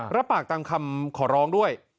รับปากตามคำขอร้องด้วย